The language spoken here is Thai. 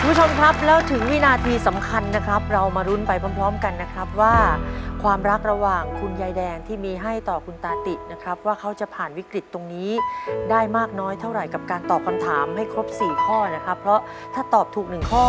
คุณผู้ชมครับแล้วถึงวินาทีสำคัญนะครับเรามารุ้นไปพร้อมพร้อมกันนะครับว่าความรักระหว่างคุณยายแดงที่มีให้ต่อคุณตาตินะครับว่าเขาจะผ่านวิกฤตตรงนี้ได้มากน้อยเท่าไหร่กับการตอบคำถามให้ครบสี่ข้อนะครับเพราะถ้าตอบถูกหนึ่งข้อ